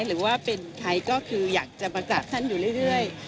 หรือว่าเป็นใครก็คืออยากจะประกาศท่านอยู่เรื่อย